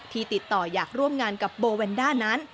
ติดต่ออยากร่วมงานกับโบแวนด้านั้น